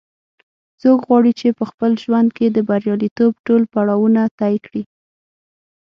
څوک غواړي چې په خپل ژوند کې د بریالیتوب ټول پړاوونه طې کړي